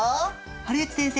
堀内先生